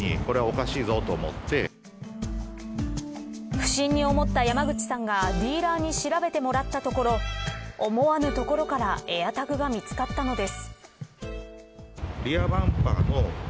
不審に思った山口さんがディーラーに調べてもらったところ思わぬところからエアタグが見つかったのです。